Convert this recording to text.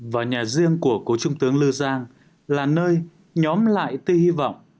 và nhà riêng của cổ trung tướng lưu giang là nơi nhóm lại tư hy vọng